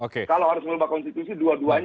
kalau harus mengubah konstitusi dua duanya